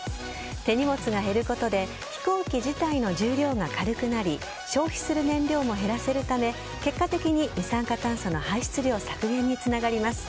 手荷物が減ることで飛行機自体の重量が軽くなり消費する燃料も減らせるため結果的に二酸化炭素の排出量削減につながります。